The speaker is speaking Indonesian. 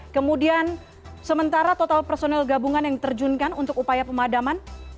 kemudian sementara total personel gabungan yang diterjunkan untuk upaya pemadaman